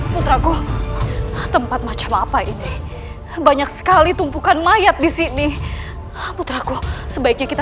putraku tempat macam apa ini banyak sekali tumpukan mayat disini putraku sebaiknya kita